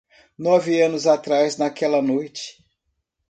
Nove anos atrás naquela noite.